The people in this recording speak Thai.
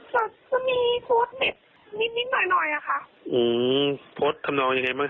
ก็จะมีโพสต์เน็ตนิดหน่อยอะคะโพสต์ทำลองยังไงบ้างฮะ